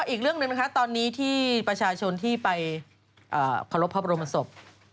อีกเรื่องหนึ่งนะคะตอนนี้ที่ประชาชนที่ไปเคารพพระบรมศพ